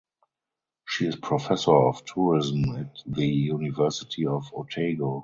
She is Professor of Tourism at the University of Otago.